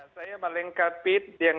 saya melengkapi yang